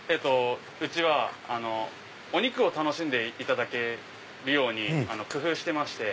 うちはお肉を楽しんでいただけるように工夫してまして。